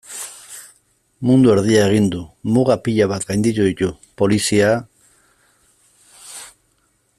Mundu erdia egin du, muga pila bat gainditu ditu, polizia...